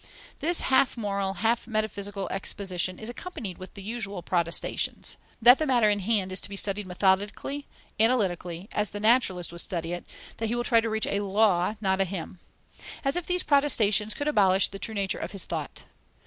This half moral, half metaphysical exposition is accompanied with the usual protestations, that the matter in hand is to be studied methodically, analytically, as the naturalist would study it, that he will try to reach "a law, not a hymn." As if these protestations could abolish the true nature of his thought!